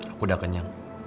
aku udah kenyang